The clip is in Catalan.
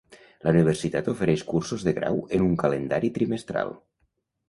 La universitat ofereix cursos de grau en un calendari trimestral.